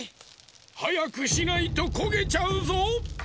はやくしないとこげちゃうぞ。